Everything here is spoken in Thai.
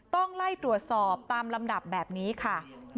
ต้องไล่ตรวจสอบตามลำดับแบบนี้ค่ะ